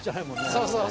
そうそう！